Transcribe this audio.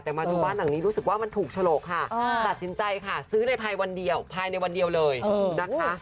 แต่มาดูบ้านหลังนี้รู้สึกว่ามันถูกฉลกค่ะตัดสินใจค่ะซื้อในภายวันเดียวภายในวันเดียวเลยนะคะ